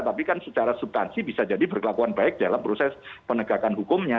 tapi kan secara subtansi bisa jadi berkelakuan baik dalam proses penegakan hukumnya